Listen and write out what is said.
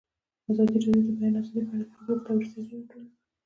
ازادي راډیو د د بیان آزادي په اړه د فیسبوک تبصرې راټولې کړي.